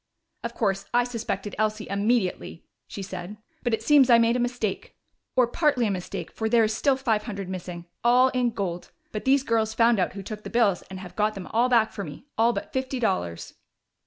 "Of course, I suspected Elsie immediately," she said, "but it seems I made a mistake. Or partly a mistake, for there is still five hundred missing all in gold. But these girls found out who took the bills and have got them all back for me all but fifty dollars."